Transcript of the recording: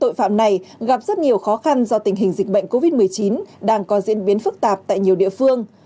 tội phạm này gặp rất nhiều khó khăn do tình hình dịch bệnh covid một mươi chín đang có diễn biến phức tạp tại nhiều địa phương